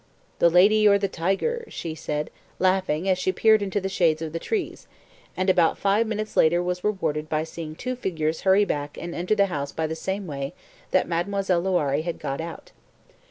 "The lady or the tiger?" she said, laughing, as she peered into the shades of the trees, and about five minutes later was rewarded by seeing two figures hurry back and enter the house by the same way that Mademoiselle Loiré had got out.